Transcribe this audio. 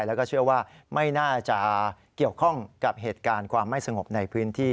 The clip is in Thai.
แล้วก็เชื่อว่าไม่น่าจะเกี่ยวข้องกับเหตุการณ์ความไม่สงบในพื้นที่